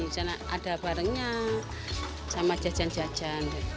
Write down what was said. karena ada barangnya sama jajan jajan